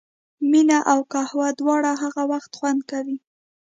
مینه او قهوه دواړه هغه وخت خوند کوي.